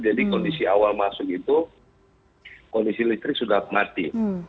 jadi kondisi awal masuk itu kondisi listrik sudah mati